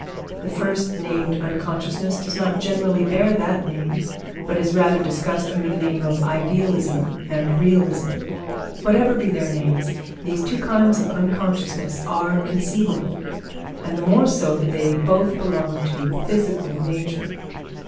The first named unconsciousness does not generally bear that name, but is rather discussed under the name of idealism and realism. Whatever be their names, these two kinds of unconsciousness are conceivable, and the more so that they both belong to physical nature.